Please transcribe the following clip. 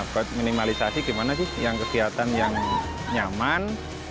buat minimalisasi gimana sih yang kegiatan yang nyaman